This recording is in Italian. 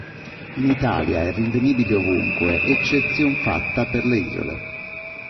In Italia è rinvenibile ovunque, eccezion fatta per le isole.